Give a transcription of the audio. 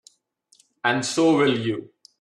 And so will you.